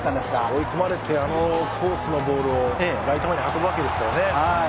追い込まれてあのコースのボールをライト前に運ぶわけですからね。